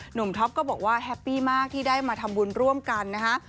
ท็อปก็บอกว่าแฮปปี้มากที่ได้มาทำบุญร่วมกันนะฮะ